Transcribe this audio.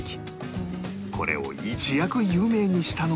これを一躍有名にしたのが